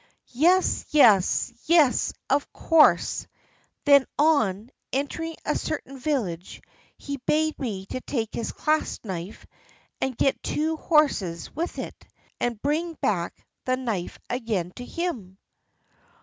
"Yes, yes, yes, of course! Then, on entering a certain village, he bade me take his clasp knife and get two horses with it, and bring back the knife again to him."